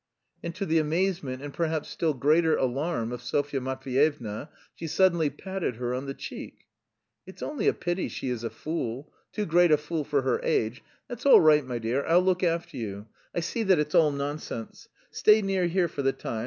And to the amazement and perhaps still greater alarm of Sofya Matveyevna, she suddenly patted her on the cheek. "It's only a pity she is a fool. Too great a fool for her age. That's all right, my dear, I'll look after you. I see that it's all nonsense. Stay near here for the time.